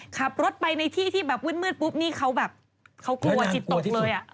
ขับรถไปในที่ที่แบบวึดปุ๊บนี่เขากลัวจิตตกเลย